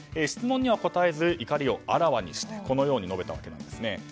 質問には答えず怒りをあらわにしてこのように述べたわけですね。